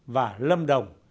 và lâm đồng